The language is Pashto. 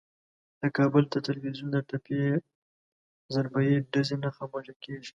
د کابل د ټلوېزیون له تپې ضربهیي ډزې نه خاموشه کېږي.